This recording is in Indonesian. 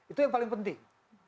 itu yang paling penting